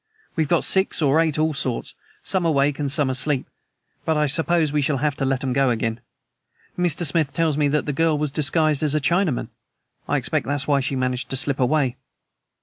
We've got six or eight all sorts, some awake and some asleep, but I suppose we shall have to let 'em go again. Mr. Smith tells me that the girl was disguised as a Chinaman. I expect that's why she managed to slip away."